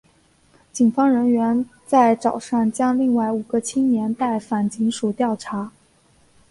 警方人员在早上将另外五个青年带返警署调查。